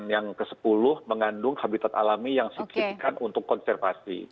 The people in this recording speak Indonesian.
yang ketiga mengandung habitat alami yang signifikan untuk konservasi